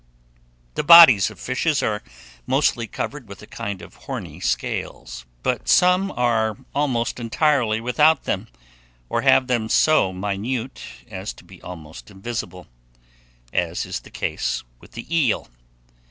THE BODIES OF FISHES are mostly covered with a kind of horny scales; but some are almost entirely without them, or have them so minute as to be almost invisible; as is the case with the eel.